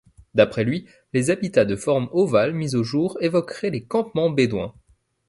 D'après lui, les habitats de forme ovale mis au jour évoqueraient les campements bédouins.